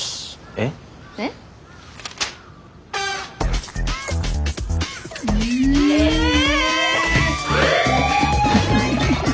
えっ？えっ？えっ！？